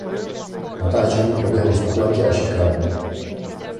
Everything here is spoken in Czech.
Natáčení proběhlo v Atlantě a Chicagu.